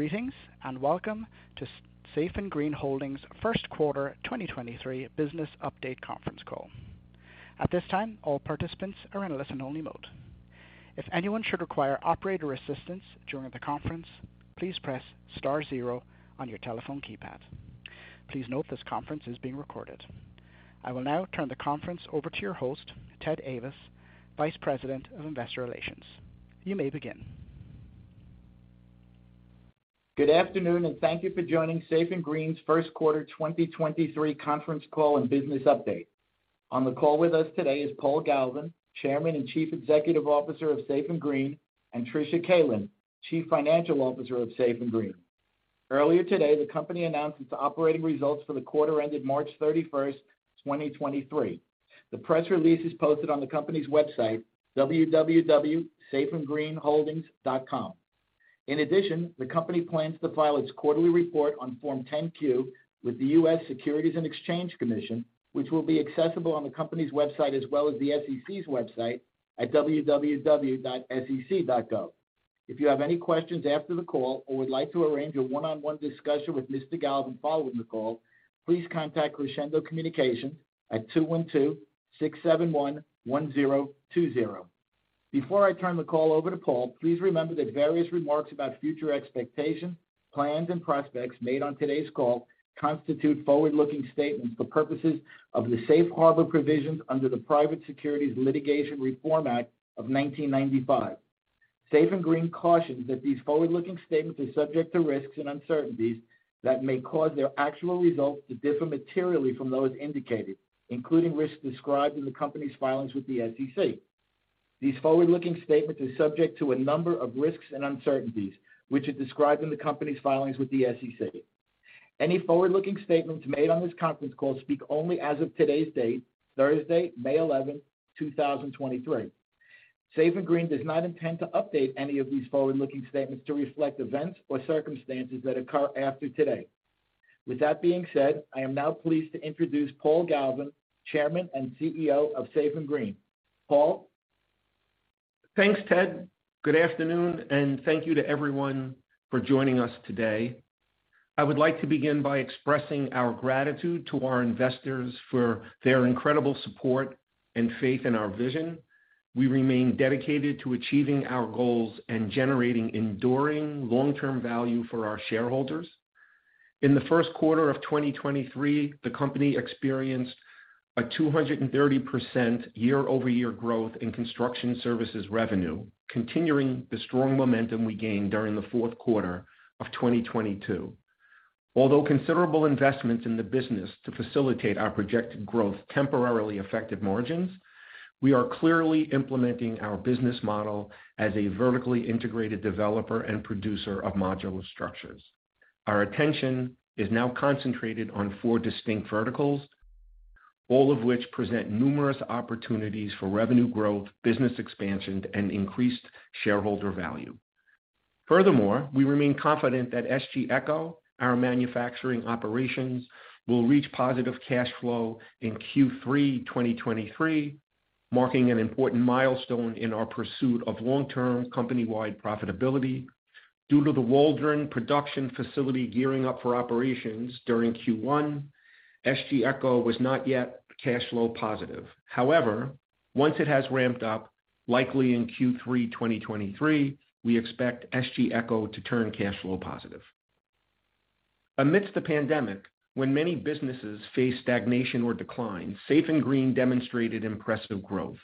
Greetings. Welcome to Safe & Green Holdings first quarter 2023 business update conference call. At this time, all participants are in a listen-only mode. If anyone should require operator assistance during the conference, please press star zero on your telephone keypad. Please note this conference is being recorded. I will now turn the conference over to your host, Ted Ayvas, Vice President of Investor Relations. You may begin. Good afternoon, and thank you for joining Safe & Green's first quarter 2023 conference call and business update. On the call with us today is Paul Galvin, Chairman and Chief Executive Officer of Safe & Green, and Tricia Kaelin, Chief Financial Officer of Safe & Green. Earlier today, the company announced its operating results for the quarter ended March 31st, 2023. The press release is posted on the company's website, www.safeandgreenholdings.com. In addition, the company plans to file its quarterly report on Form 10-Q with the U.S. Securities and Exchange Commission, which will be accessible on the company's website as well as the SEC's website at www.sec.gov. If you have any questions after the call or would like to arrange a one-on-one discussion with Mr. Galvin following the call, please contact Crescendo Communications at 212-671-1020. Before I turn the call over to Paul, please remember that various remarks about future expectations, plans and prospects made on today's call constitute forward-looking statements for purposes of the safe harbor provisions under the Private Securities Litigation Reform Act of 1995. Safe & Green cautions that these forward-looking statements are subject to risks and uncertainties that may cause their actual results to differ materially from those indicated, including risks described in the company's filings with the SEC. These forward-looking statements are subject to a number of risks and uncertainties, which are described in the company's filings with the SEC. Any forward-looking statements made on this conference call speak only as of today's date, Thursday, May 11th, 2023. Safe & Green does not intend to update any of these forward-looking statements to reflect events or circumstances that occur after today. With that being said, I am now pleased to introduce Paul Galvin, Chairman and CEO of Safe & Green. Paul. Thanks, Ted. Good afternoon. Thank you to everyone for joining us today. I would like to begin by expressing our gratitude to our investors for their incredible support and faith in our vision. We remain dedicated to achieving our goals and generating enduring long-term value for our shareholders. In the first quarter of 2023, the company experienced a 230% year-over-year growth in construction services revenue, continuing the strong momentum we gained during the fourth quarter of 2022. Although considerable investments in the business to facilitate our projected growth temporarily affected margins, we are clearly implementing our business model as a vertically integrated developer and producer of modular structures. Our attention is now concentrated on four distinct verticals, all of which present numerous opportunities for revenue growth, business expansion, and increased shareholder value. We remain confident that SG Echo, our manufacturing operations, will reach positive cash flow in Q3 2023, marking an important milestone in our pursuit of long-term company-wide profitability. Due to the Waldron production facility gearing up for operations during Q1, SG Echo was not yet cash flow positive. Once it has ramped up, likely in Q3 2023, we expect SG Echo to turn cash flow positive. Amidst the pandemic, when many businesses faced stagnation or decline, Safe & Green demonstrated impressive growth.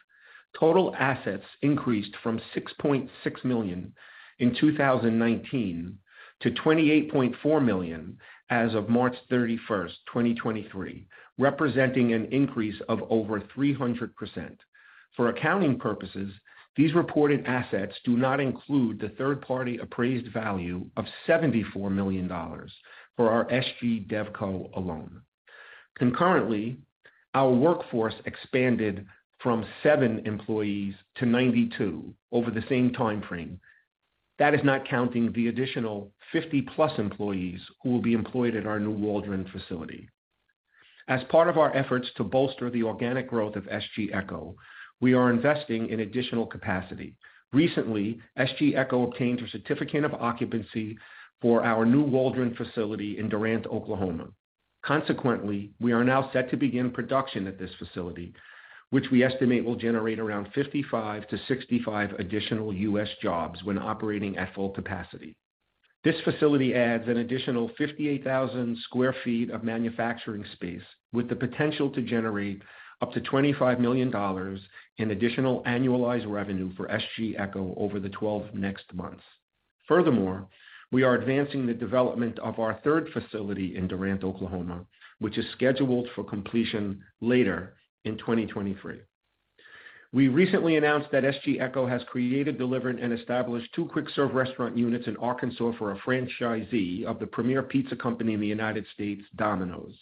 Total assets increased from $6.6 million in 2019 to $28.4 million as of March 31, 2023, representing an increase of over 300%. Accounting purposes, these reported assets do not include the third party appraised value of $74 million for our SG DevCo alone. Concurrently, our workforce expanded from seven employees to 92 over the same time frame. That is not counting the additional 50-plus employees who will be employed at our new Waldron facility. As part of our efforts to bolster the organic growth of SG Echo, we are investing in additional capacity. Recently, SG Echo obtained a certificate of occupancy for our new Waldron facility in Durant, Oklahoma. We are now set to begin production at this facility, which we estimate will generate around 55-65 additional U.S. jobs when operating at full capacity. This facility adds an additional 58,000 sq ft of manufacturing space with the potential to generate up to $25 million in additional annualized revenue for SG Echo over the 12 next months. We are advancing the development of our third facility in Durant, Oklahoma, which is scheduled for completion later in 2023. We recently announced that SG Echo has created, delivered, and established two quick-serve restaurant units in Arkansas for a franchisee of the premier pizza company in the United States, Domino's.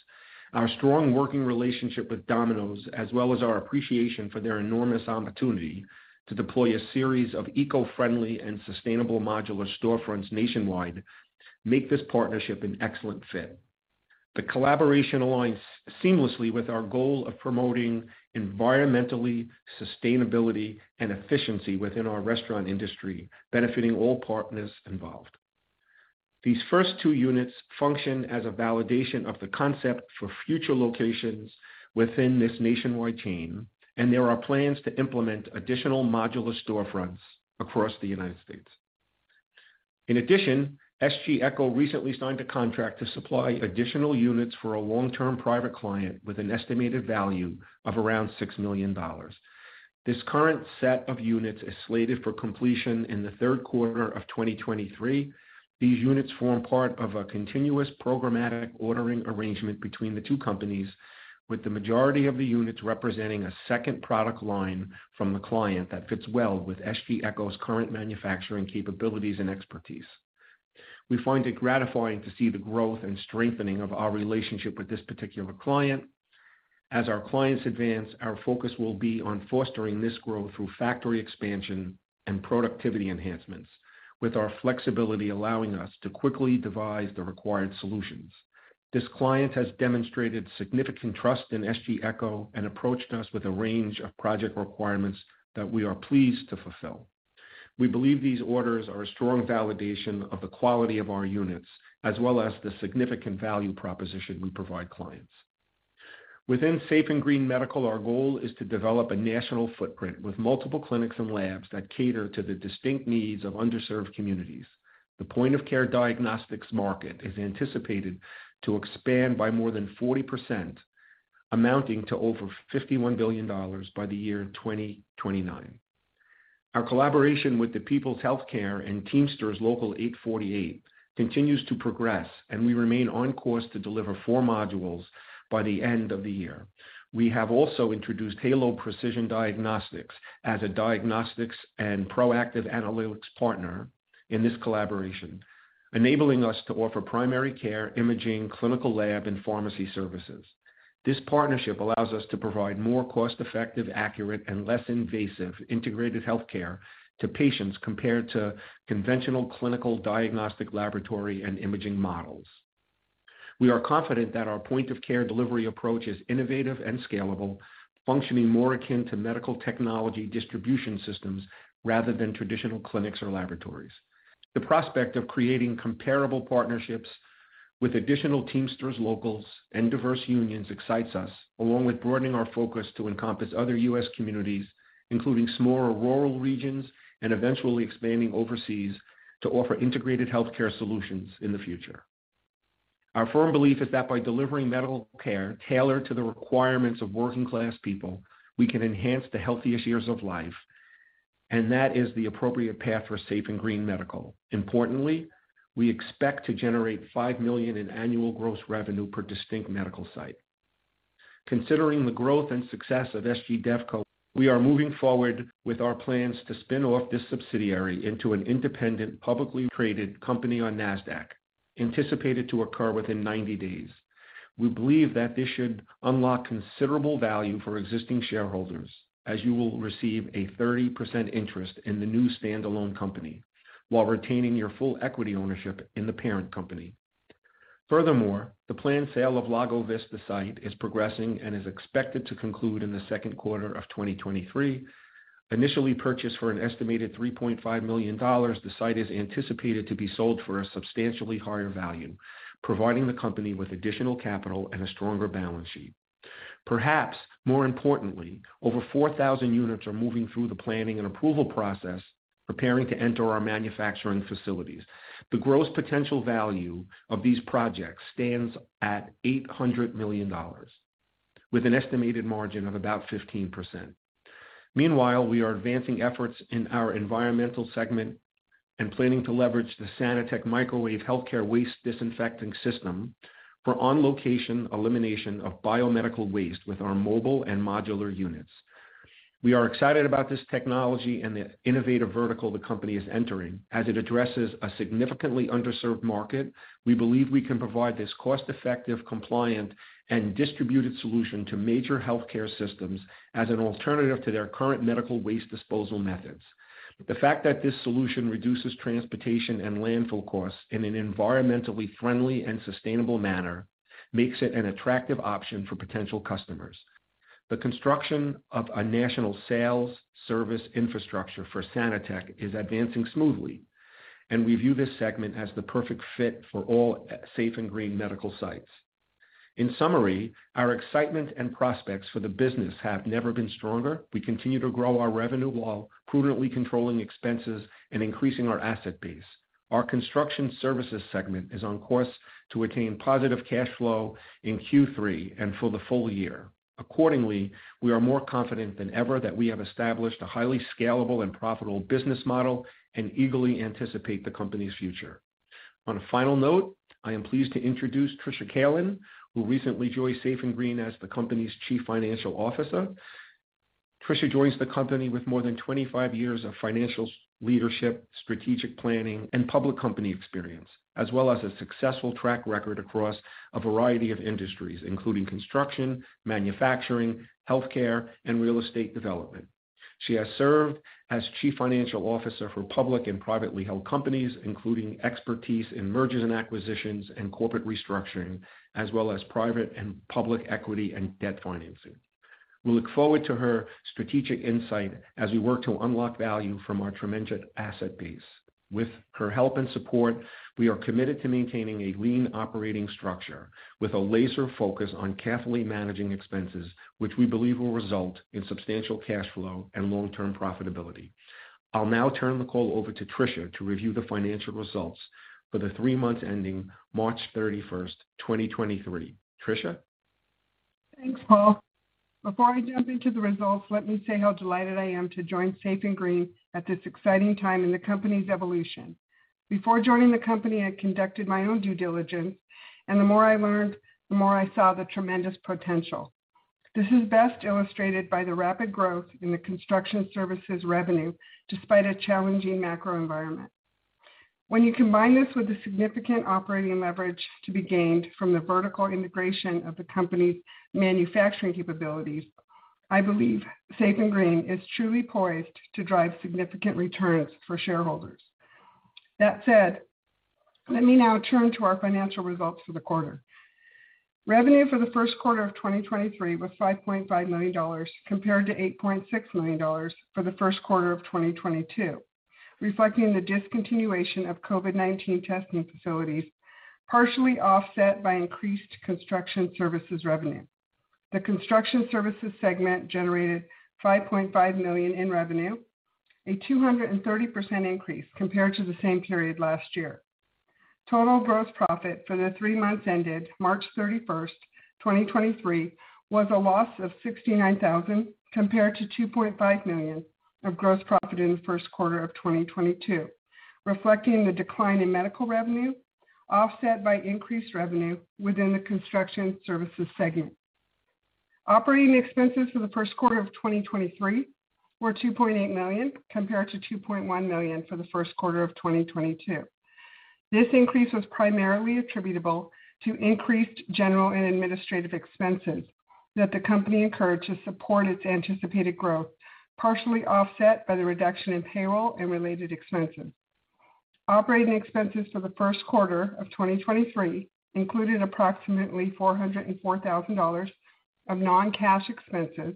Our strong working relationship with Domino's, as well as our appreciation for their enormous opportunity to deploy a series of eco-friendly and sustainable modular storefronts nationwide, make this partnership an excellent fit. The collaboration aligns seamlessly with our goal of promoting environmentally sustainability and efficiency within our restaurant industry, benefiting all partners involved. These first two units function as a validation of the concept for future locations within this nationwide chain, and there are plans to implement additional modular storefronts across the United States. SG Echo recently signed a contract to supply additional units for a long-term private client with an estimated value of around $6 million. This current set of units is slated for completion in the 3rd quarter of 2023. These units form part of a continuous programmatic ordering arrangement between the two companies, with the majority of the units representing a second product line from the client that fits well with SG Echo's current manufacturing capabilities and expertise. We find it gratifying to see the growth and strengthening of our relationship with this particular client. As our clients advance, our focus will be on fostering this growth through factory expansion and productivity enhancements, with our flexibility allowing us to quickly devise the required solutions. This client has demonstrated significant trust in SG Echo and approached us with a range of project requirements that we are pleased to fulfill. We believe these orders are a strong validation of the quality of our units as well as the significant value proposition we provide clients. Within Safe & Green Medical, our goal is to develop a national footprint with multiple clinics and labs that cater to the distinct needs of underserved communities. The point-of-care diagnostics market is anticipated to expand by more than 40%, amounting to over $51 billion by the year 2029. Our collaboration with The People's Healthcare and Teamsters Local 848 continues to progress, and we remain on course to deliver four modules by the end of the year. We have also introduced HALO Precision Diagnostics as a diagnostics and proactive analytics partner in this collaboration, enabling us to offer primary care, imaging, clinical lab, and pharmacy services. This partnership allows us to provide more cost-effective, accurate, and less invasive integrated healthcare to patients compared to conventional clinical diagnostic laboratory and imaging models. We are confident that our point-of-care delivery approach is innovative and scalable, functioning more akin to medical technology distribution systems rather than traditional clinics or laboratories. The prospect of creating comparable partnerships with additional Teamsters locals and diverse unions excites us, along with broadening our focus to encompass other U.S. communities, including smaller rural regions, and eventually expanding overseas to offer integrated healthcare solutions in the future. Our firm belief is that by delivering medical care tailored to the requirements of working-class people, we can enhance the healthiest years of life, and that is the appropriate path for Safe & Green Medical. Importantly, we expect to generate $5 million in annual gross revenue per distinct medical site. Considering the growth and success of SG DevCo, we are moving forward with our plans to spin off this subsidiary into an independent, publicly traded company on Nasdaq, anticipated to occur within 90 days. We believe that this should unlock considerable value for existing shareholders as you will receive a 30% interest in the new standalone company while retaining your full equity ownership in the parent company. Furthermore, the planned sale of Lago Vista site is progressing and is expected to conclude in the second quarter of 2023. Initially purchased for an estimated $3.5 million, the site is anticipated to be sold for a substantially higher value, providing the company with additional capital and a stronger balance sheet. Perhaps more importantly, over 4,000 units are moving through the planning and approval process, preparing to enter our manufacturing facilities. The gross potential value of these projects stands at $800 million with an estimated margin of about 15%. Meanwhile, we are advancing efforts in our environmental segment and planning to leverage the Sanitec Microwave Healthcare Waste Disinfecting System for on-location elimination of biomedical waste with our mobile and modular units. We are excited about this technology and the innovative vertical the company is entering as it addresses a significantly underserved market. We believe we can provide this cost-effective, compliant, and distributed solution to major healthcare systems as an alternative to their current medical waste disposal methods. The fact that this solution reduces transportation and landfill costs in an environmentally friendly and sustainable manner makes it an attractive option for potential customers. The construction of a national sales service infrastructure for Sanitec is advancing smoothly, we view this segment as the perfect fit for all Safe & Green Medical sites. In summary, our excitement and prospects for the business have never been stronger. We continue to grow our revenue while prudently controlling expenses and increasing our asset base. Our construction services segment is on course to attain positive cash flow in Q3 and for the full year. Accordingly, we are more confident than ever that we have established a highly scalable and profitable business model and eagerly anticipate the company's future On a final note, I am pleased to introduce Tricia Kaelin, who recently joined Safe & Green as the company's Chief Financial Officer. Tricia joins the company with more than 25 years of financial leadership, strategic planning, and public company experience, as well as a successful track record across a variety of industries, including construction, manufacturing, healthcare, and real estate development. She has served as chief financial officer for public and privately held companies, including expertise in mergers and acquisitions and corporate restructuring, as well as private and public equity and debt financing. We look forward to her strategic insight as we work to unlock value from our tremendous asset base. With her help and support, we are committed to maintaining a lean operating structure with a laser-focused on carefully managing expenses, which we believe will result in substantial cash flow and long-term profitability. I'll now turn the call over to Tricia to review the financial results for the three months ending March 31st, 2023. Tricia. Thanks, Paul. Before I jump into the results, let me say how delighted I am to join Safe & Green at this exciting time in the company's evolution. Before joining the company, I conducted my own due diligence, and the more I learned, the more I saw the tremendous potential. This is best illustrated by the rapid growth in the construction services revenue, despite a challenging macro environment. When you combine this with a significant operating leverage to be gained from the vertical integration of the company's manufacturing capabilities, I believe Safe & Green is truly poised to drive significant returns for shareholders. That said, let me now turn to our financial results for the quarter. Revenue for the first quarter of 2023 was $5.5 million compared to $8.6 million for the first quarter of 2022, reflecting the discontinuation of COVID-19 testing facilities, partially offset by increased construction services revenue. The construction services segment generated $5.5 million in revenue, a 230% increase compared to the same period last year. Total gross profit for the three months ended March 31st, 2023, was a loss of $69,000 compared to $2.5 million of gross profit in the first quarter of 2022, reflecting the decline in medical revenue, offset by increased revenue within the construction services segment. Operating expenses for the first quarter of 2023 were $2.8 million compared to $2.1 million for the first quarter of 2022. This increase was primarily attributable to increased general and administrative expenses that the company encouraged to support its anticipated growth, partially offset by the reduction in payroll and related expenses. Operating expenses for the first quarter of 2023 included approximately $404,000 of non-cash expenses,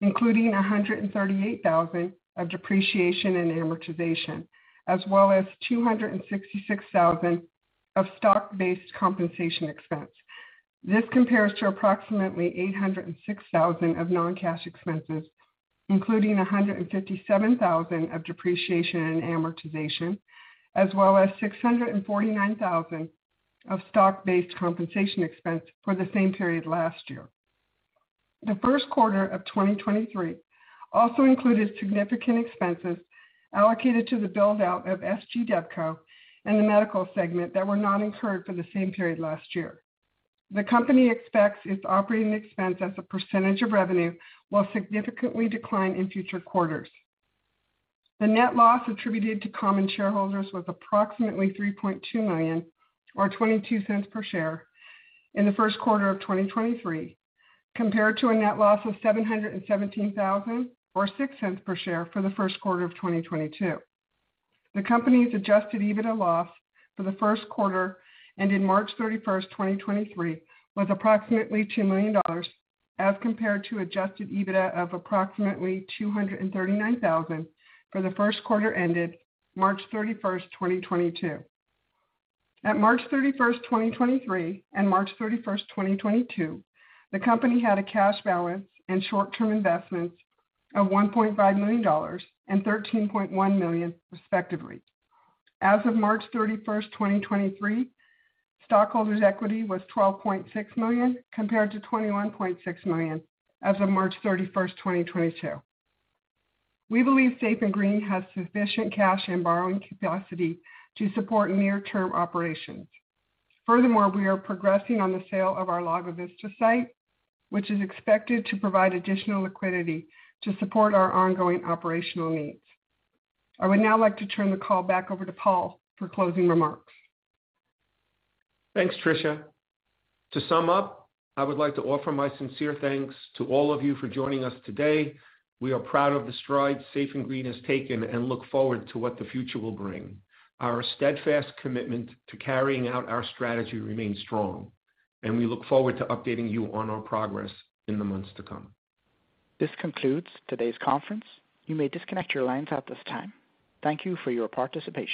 including $138,000 of depreciation and amortization, as well as $266,000 of stock-based compensation expense. This compares to approximately $806,000 of non-cash expenses, including $157,000 of depreciation and amortization, as well as $649,000 of stock-based compensation expense for the same period last year. The first quarter of 2023 also included significant expenses allocated to the build-out of SG DevCo and the medical segment that were not incurred for the same period last year. The company expects its operating expense as a percentage of revenue will significantly decline in future quarters. The net loss attributed to common shareholders was approximately $3.2 million or $0.22 per share in the first quarter of 2023, compared to a net loss of $717,000 or $0.06 per share for the first quarter of 2022. The company's adjusted EBITDA loss for the first quarter and in March 31st, 2023, was approximately $2 million as compared to adjusted EBITDA of approximately $239,000 for the first quarter ended March 31st, 2022. At March 31st, 2023 and March 31st, 2022, the company had a cash balance and short-term investments of $1.5 million and $13.1 million respectively. As of March 31st, 2023, stockholders' equity was $12.6 million compared to $21.6 million as of March 31, 2022. We believe Safe & Green has sufficient cash and borrowing capacity to support near-term operations. Furthermore, we are progressing on the sale of our Lago Vista site, which is expected to provide additional liquidity to support our ongoing operational needs. I would now like to turn the call back over to Paul for closing remarks. Thanks, Tricia. To sum up, I would like to offer my sincere thanks to all of you for joining us today. We are proud of the strides Safe & Green has taken and look forward to what the future will bring. Our steadfast commitment to carrying out our strategy remains strong, and we look forward to updating you on our progress in the months to come. This concludes today's conference. You may disconnect your lines at this time. Thank you for your participation.